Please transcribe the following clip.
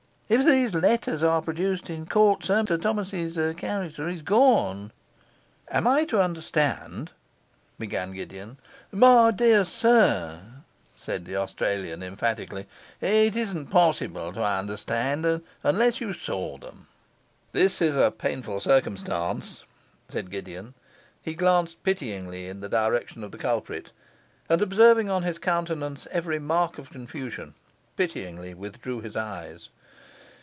If these letters are produced in court, sir, Mr Thomas's character is gone.' 'Am I to understand ' began Gideon. 'My dear sir,' said the Australian emphatically, 'it isn't possible to understand unless you saw them.' 'That is a painful circumstance,' said Gideon; he glanced pityingly in the direction of the culprit, and, observing on his countenance every mark of confusion, pityingly withdrew his eyes.